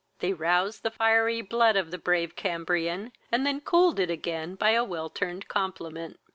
They roused the fiery blood of the brave Cambrian, and then cooled it again by a well turned compliment.